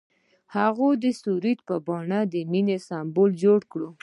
هغه د سرود په بڼه د مینې سمبول جوړ کړ.